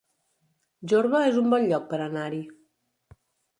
Jorba es un bon lloc per anar-hi